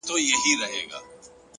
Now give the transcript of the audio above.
تا د حسنينو د ښکلا فلسفه څه لوستې ده-